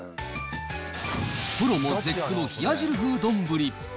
プロも絶句の冷や汁風丼。